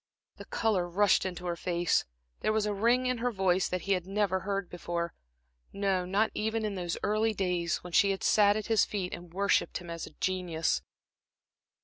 The color rushed into her face, there was a ring in her voice that he never heard before no, not even in those early days, when she had sat at his feet, and worshipped him as a genius.